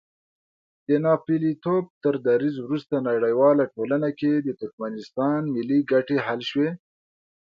د ناپېیلتوب تر دریځ وروسته نړیواله ټولنه کې د ترکمنستان ملي ګټې حل شوې.